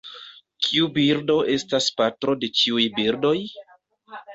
Kiu birdo estas patro de ĉiuj birdoj?